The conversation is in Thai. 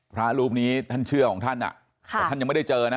พระรูปนี้ท่านเชื่อของท่านแต่ท่านยังไม่ได้เจอนะ